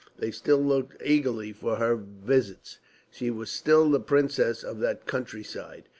They still looked eagerly for her visits; she was still the princess of that country side.